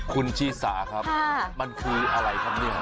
คุณชีสาครับมันคืออะไรครับเนี่ย